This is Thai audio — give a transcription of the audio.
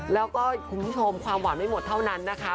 แล้วก็คุณผู้ชมความหวานไม่หมดเท่านั้นนะคะ